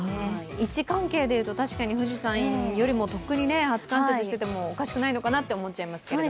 位置関係でいうと確かに富士山よりとっくに初冠雪しててもおかしくないのかなと思っちゃうんですけれども。